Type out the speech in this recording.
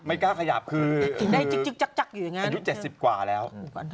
ไม่กล้าขยับคืออายุเจ็ดสิบกว่าแล้ว